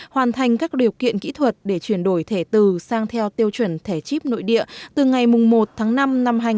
hoàn thành các điều kiện kỹ thuật để chuyển đổi thẻ từ sang theo tiêu chuẩn thẻ chip nội địa từ ngày một tháng năm năm hai nghìn hai mươi